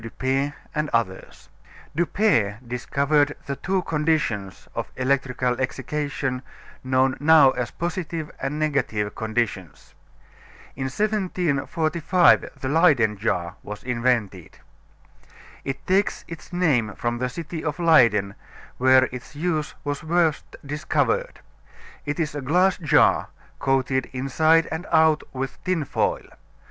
Dupay and others. Dupay discovered the two conditions of electrical excitation known now as positive and negative conditions. In 1745 the Leyden jar was invented. It takes its name from the city of Leyden, where its use was first discovered. It is a glass jar, coated inside and out with tin foil.